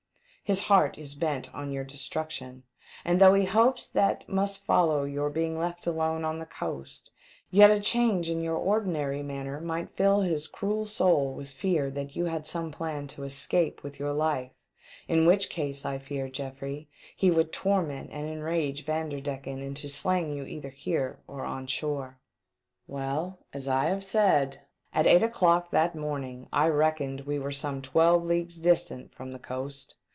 His heart is bent on your destruction, and though he hopes that must follow your being left alone on the coast, yet a change in your ordinary manner might fill his cruel soul with fear that you had some plan to escape with your life, in which case I fear, Geoffrey, he would torment and enrage Vanderdecken into slaying you either here or on shore." Well, as I have said, at eight o'clock that morning I reckoned we were some twelve leagues distant from the coast.